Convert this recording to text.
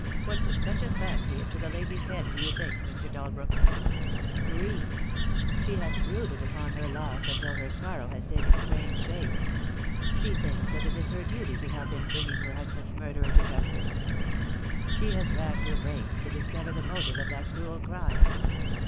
What put such a fancy into the lady's head, do you think, Mr. Dalbrook?" "Grief! She has brooded upon her loss until her THE DAY WILL COME. I 8 I sorrow has taken strange shapes. She thinks that it is her duty to help in bringing her husband's murderer to justice. She has racked her brains to discover the motive of that cruel crime.